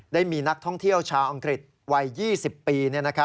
ได้มีนักท่องเที่ยวชาวอังกฤษวัย๒๐ปี